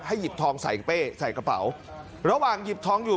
หยิบทองใส่เป้ใส่กระเป๋าระหว่างหยิบทองอยู่